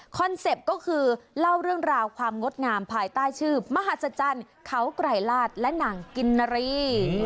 เซ็ปต์ก็คือเล่าเรื่องราวความงดงามภายใต้ชื่อมหัศจรรย์เขาไกรลาดและหนังกินนารี